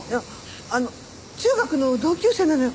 あの中学の同級生なのよ